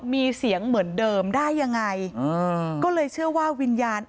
มีเสียงเหมือนเดิมได้ยังไงอ่าก็เลยเชื่อว่าวิญญาณ